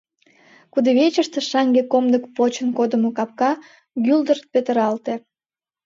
Кудывечыште шаҥге комдык почын кодымо капка гӱлдырт петыралте.